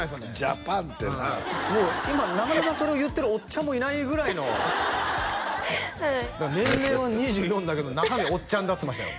ＪＡＰＡＮってなもうなかなかそれを言ってるおっちゃんもいないぐらいのだから年齢は２４だけど中身はおっちゃんだっつってましたよ